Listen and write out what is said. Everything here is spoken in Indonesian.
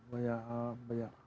banyak hal hal yang menguntungkan kita